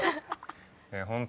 ホント。